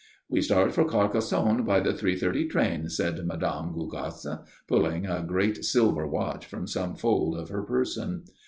"We start for Carcassonne by the three thirty train," said Mme. Gougasse, pulling a great silver watch from some fold of her person.